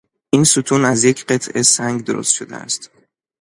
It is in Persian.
این ستون از یک قطعه سنگ درست شده است.